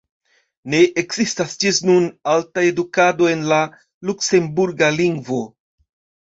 Ne ekzistas ĝis nun alta edukado en la luksemburga lingvo.